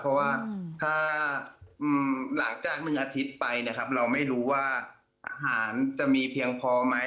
เพราะว่าถ้าหลังจาก๑อาทิตย์ไปนะครับเราไม่รู้ว่าอาหารจะมีเพียงพอไหม